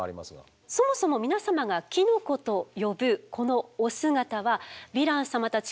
そもそも皆様がキノコと呼ぶこのお姿はヴィラン様たち